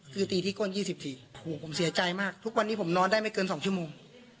คือตีที่ก้น๒๔โหผมเสียใจมากทุกวันนี้ผมนอนได้ไม่เกิน๒ชั่วโมง